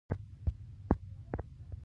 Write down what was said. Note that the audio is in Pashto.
هندوکش د سیاسي جغرافیه یوه برخه ده.